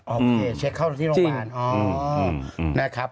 โอเคเช็คเข้าที่โรงพยาบาลนะครับ